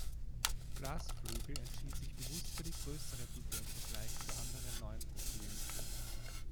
Glasflügel entschied sich bewusst für die größere Dicke im Vergleich zu anderen neuen Profilen.